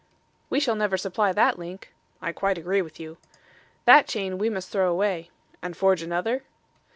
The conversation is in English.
"We shall never supply that link." "I quite agree with you." "That chain we must throw away." "And forge another?"